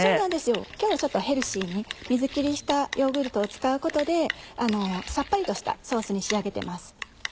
今日はちょっとヘルシーに水切りしたヨーグルトを使うことでさっぱりとしたソースに仕上げてます。